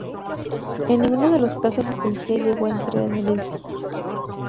En ninguno de los casos la policía llegó a entrar en el edificio.